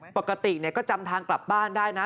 ปกติก็จำทางกลับบ้านได้นะ